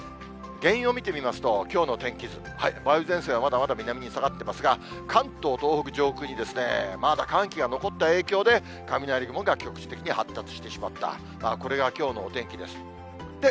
原因を見てみますと、きょうの天気図、梅雨前線はまだまだ南に下がってますが、関東、東北上空に、まだ寒気が残った影響で、雷雲が局地的に発達してしまった、これがきょうのお天気です。